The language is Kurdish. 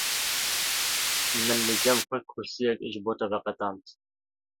Min li cem xwe kursiyek ji bo te veqetand.